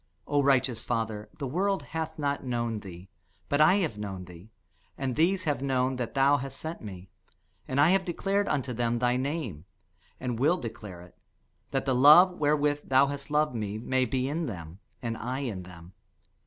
O righteous Father, the world hath not known thee: but I have known thee, and these have known that thou hast sent me. And I have declared unto them thy name, and will declare it: that the love wherewith thou hast loved me may be in them, and I in them.